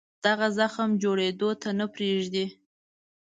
دغه زخم جوړېدو ته نه پرېږدي.